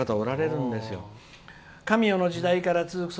神代の時代から続く